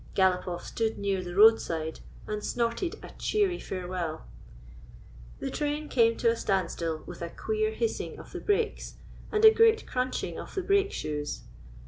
GalopofF stood near the roadside, and snorted a cheery farewell. The train came to a standstill with a queer hissing of the brakes and a great crunching of the brake shoes.